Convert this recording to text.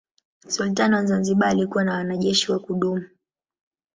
Sultani wa Zanzibar alikuwa na wanajeshi wa kudumu.